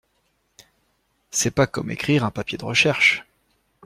C'est pas comme écrire un papier de recherche.